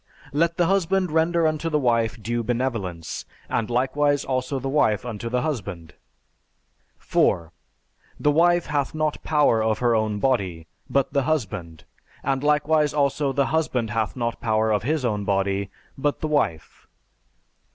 Let the husband render unto the wife due benevolence; and likewise also the wife unto the husband. 4. The wife hath not power of her own body, but the husband; and likewise also the husband hath not power of his own body, but the wife.